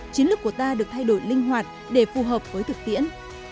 chiến lược của ta được thay đổi linh hoạt để phù hợp với thực tiễn